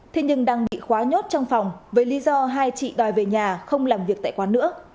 thế nhưng đang bị khóa nhốt trong phòng với lý do hai chị đòi về nhà không làm việc tại quán nữa